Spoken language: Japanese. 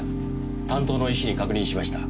担当の医師に確認しました。